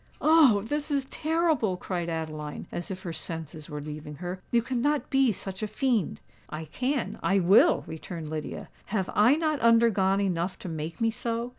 "Oh! this is terrible!" cried Adeline, as if her senses were leaving her. "You cannot be such a fiend." "I can—I will!" returned Lydia. "Have I not undergone enough to make me so?